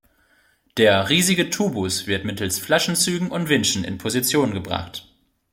Der riesige Tubus wird mittels Flaschenzügen und Winschen in Position gebracht.